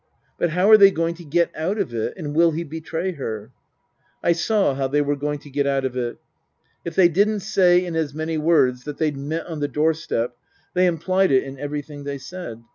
But how are they going to get out of it, and will he betray her ? I saw how they were going to get out of it. If they didn't say in as many words that they'd met on the door step they implied it in everything they said.